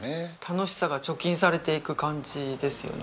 楽しさが貯金されていく感じですよね。